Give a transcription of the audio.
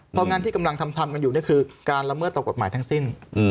เพราะงั้นที่กำลังทำกันอยู่นี่คือการละเมิดต่อกฎหมายทั้งสิ้น